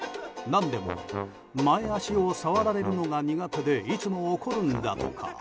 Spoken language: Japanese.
何でも前脚を触られるのが苦手でいつも怒るんだとか。